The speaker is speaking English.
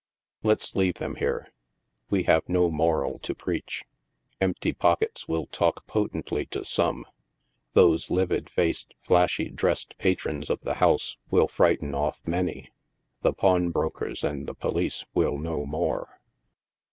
Let's leave them here; we have no moral to preach; empty pockets will talk potently to some ; those livid faced, flashy dressed patrons of the house will frighten off many ; the pawn brokers and the police will know more.